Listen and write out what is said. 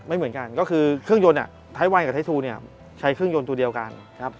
ไม่เหมือนกันก็คือเครื่องยนต์ไทท์วันกับไทท์ทูใช้เครื่องยนต์ทูเดียวกัน